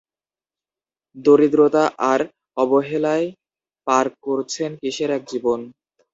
দরিদ্রতা আর অবহেলায় পার করছেন কিসের এক জীবন?